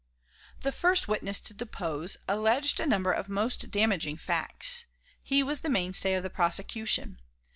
The first witness to depose alleged a number of most damaging facts. He was the mainstay of the prosecution.